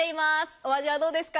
お味はどうですか？